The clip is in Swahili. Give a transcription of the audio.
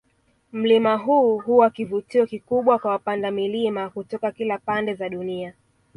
Mlima huu huwa kivutio kikubwa kwa wapanda milima kutoka kila pande za dunia